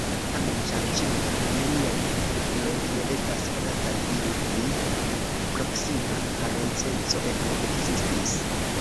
Tamen, ĉar ĉiuj iliaj antaŭuloj ne estas konataj, iu pli proksima parenceco eble ekzistis.